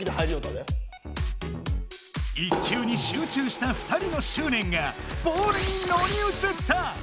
１球に集中した２人のしゅうねんがボールにのりうつった！